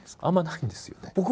あんまないんですよね。